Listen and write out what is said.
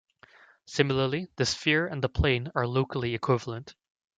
Similarly, the sphere and the plane are locally equivalent.